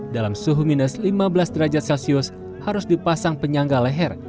dalam suhu minus lima belas derajat celcius harus dipasang penyangga leher